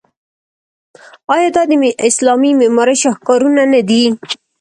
آیا دا د اسلامي معمارۍ شاهکارونه نه دي؟